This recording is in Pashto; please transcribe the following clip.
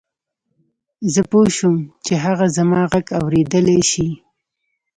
زه پوه شوم چې هغه زما غږ اورېدلای شي.